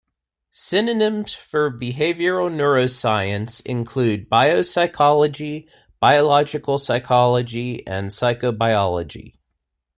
Synonyms for behavioral neuroscience include biopsychology, biological psychology, and psychobiology.